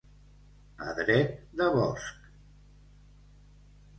A dret de bosc.